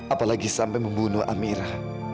apalagi sampai membunuh amira